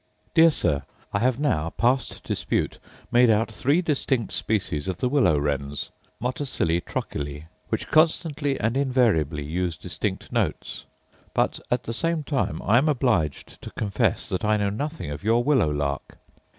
Dear Sir, I have now, past dispute, made out three distinct species of the willow wrens (motacillae trochili) which constantly and invariably use distinct notes. But, at the same time, I am obliged to confess that I know nothing of your willow lark.